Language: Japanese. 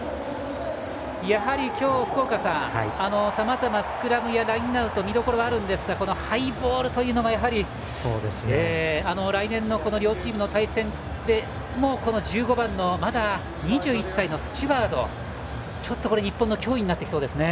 やはり今日、福岡さんさまざまスクラムやラインアウト見どころがあるんですがハイボールがやはり、来年の両チームの対戦でもこの１５番のまだ２１歳のスチュワードはちょっと日本の脅威になってきそうですね。